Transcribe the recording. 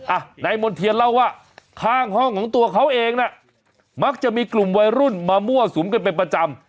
อ่ะนายมณ์เทียนเล่าว่าข้างห้องของตัวเขาเองน่ะมักจะมีกลุ่มวัยรุ่นมามั่วสุมกันเป็นประจำ